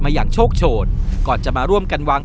อย่างโชคโชนก่อนจะมาร่วมกันวาง